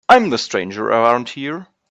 I'm the stranger around here.